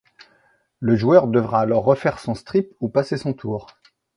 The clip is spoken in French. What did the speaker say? Le joueur devra alors refaire son strip ou passer son tour.